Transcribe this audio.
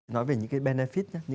nói về những cái benefit